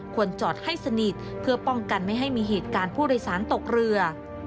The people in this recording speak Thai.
ควรจอดให้สนิทเพื่อป้องกันไม่ให้มีเหตุการณ์ผู้โดยสารตกเรือ